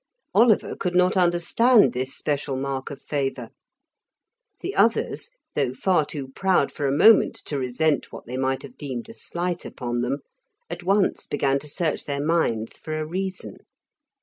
Oliver could not understand this special mark of favour; the others, though far too proud for a moment to resent what they might have deemed a slight upon them, at once began to search their minds for a reason.